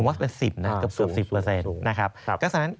ผมว่าเป็น๑๐นะก็เกือบ๑๐เปอร์เซ็นต์